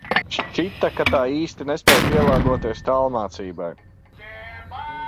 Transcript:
Šķita, ka tā īsti nespēj pielāgoties tālmācībai...